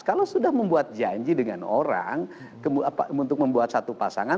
kalau sudah membuat janji dengan orang untuk membuat satu pasangan